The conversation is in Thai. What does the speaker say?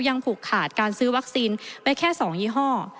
ผูกขาดการซื้อวัคซีนไปแค่๒ยี่ห้อ